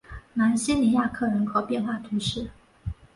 芒西尼亚克人口变化图示